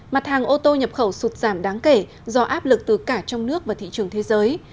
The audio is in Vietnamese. mặt hàng ô tô nhập khẩu sụt giảm đáng kể do áp lực từ cả trong nước và thị trường thế giới